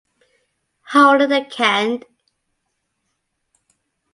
Holding the cand.